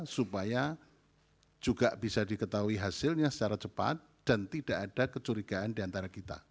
supaya juga bisa diketahui hasilnya secara cepat dan tidak ada kecurigaan diantara kita